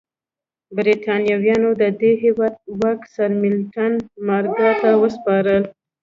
برېټانویانو د دې هېواد واک سرمیلټن مارګای ته وسپاره.